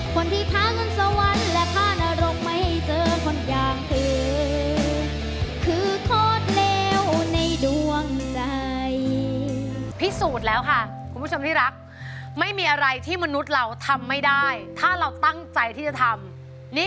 คนที่พาขึ้นสวรรค์และพานรกไม่ให้เจอคนอย่างเธอ